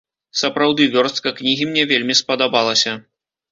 Сапраўды, вёрстка кнігі мне вельмі спадабалася.